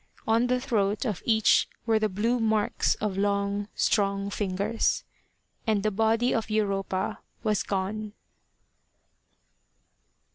On the throat of each were the blue marks of long, strong fingers. And the body of Europa was gone.